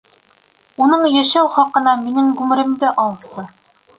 Уның йәшәү хаҡына минең ғүмеремде алсы!